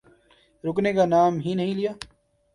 رکنے کا نام ہی نہیں لیا۔